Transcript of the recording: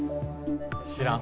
知らん。